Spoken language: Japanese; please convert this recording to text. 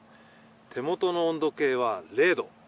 手元の温度計は０度。